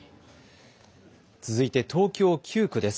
続いて東京９区です。